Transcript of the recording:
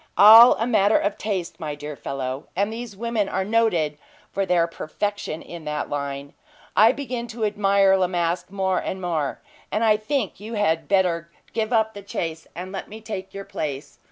"All a matter of taste, my dear fellow: and these women are noted for their perfection in that line. I begin to admire La Masque more and more, and I think you had better give up the chase, and let me take your place.